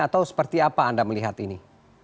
atau seperti apa anda melihat ini